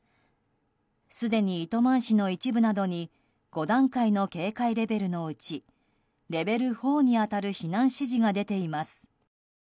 すでに糸満市の一部などに５段階の警戒レベルのうちレベル４に当たる避難指示が出ています。